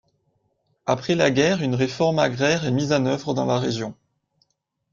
Après la guerre une réforme agraire est mise en œuvre dans la région.